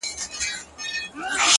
د تسنیم پۀ زړۀ کې درد دی بې حسابه